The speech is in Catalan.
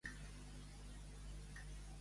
Què diu la història real sobre el sant venerat?